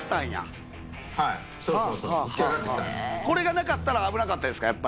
これがなかったら危なかったですか？